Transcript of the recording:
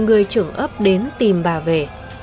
người trưởng ấp đến tìm bà về